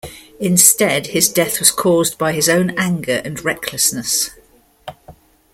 Instead, his death was caused by his own anger and recklessness.